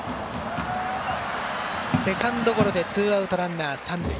セカンドゴロでツーアウトランナー、三塁。